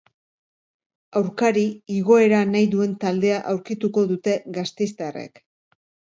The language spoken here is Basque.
Aurkari, igoera nahi duen taldea aurkituko dute gasteiztarrek.